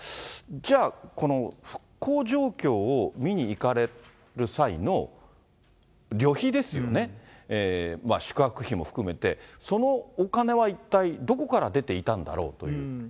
じゃあ、この復興状況を見に行かれる際の旅費ですよね、宿泊費も含めて、そのお金は一体どこから出ていたんだろうと。